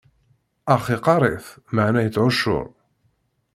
Ax, iqqaṛ-it, meɛna ittɛuccuṛ.